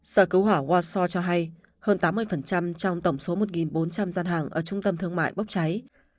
sở cứu hỏa watsor cho hay hơn tám mươi trong tổng số một bốn trăm linh gian hàng ở trung tâm thương mại bốc cháy